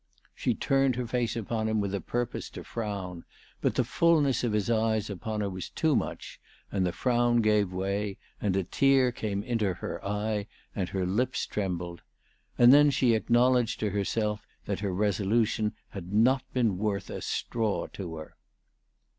" She turned her face upon him with a purpose to frown, but the fulness of his eyes upon her was too much, and the frown gave way, and a tear came into her eye, and her lips trembled ; and then she acknow ledged to herself that her resolution had not been worth a straw to her.